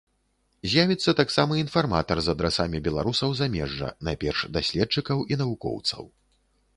З'явіцца таксама інфарматар з адрасамі беларусаў замежжа, найперш даследчыкаў і навукоўцаў.